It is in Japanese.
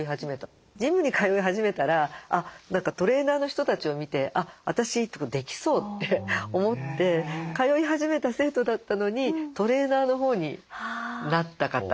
ジムに通い始めたら何かトレーナーの人たちを見て私できそうって思って通い始めた生徒だったのにトレーナーのほうになった方いらっしゃって。